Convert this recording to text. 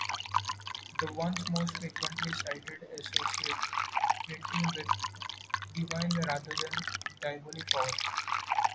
The ones most frequently cited associate printing with divine rather than diabolic power.